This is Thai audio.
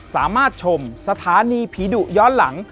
สามารถชมสถานีผีดุย้อนหลัง